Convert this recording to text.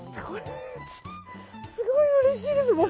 すごいうれしいです！